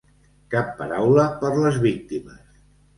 Cap paraula per les víctimes.